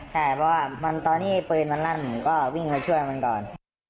ใช่เพราะว่าตอนนี้ปืนมันลั่นผมก็วิ่งมาช่วยมันก่อน